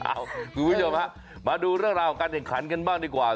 อ้ะหมอบิจารไม่หมามาดูเรื่องราวของกันให้ขันกันบ้างด้วยกว่า